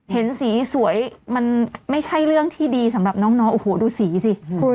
เห็นสีสวยมันไม่ใช่เรื่องที่ดีสำหรับน้องโอ้โหดูสีสิ